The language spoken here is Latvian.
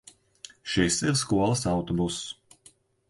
Šis ir skolas autobuss.